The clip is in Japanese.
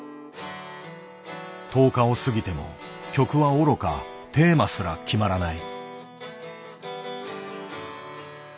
１０日を過ぎても曲はおろかテーマすら決まらない。